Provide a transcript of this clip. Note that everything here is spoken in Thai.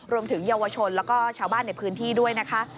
รวมถึงเยาวชนแล้วก็ชาวบ้านในพื้นที่ด้วยนะคะ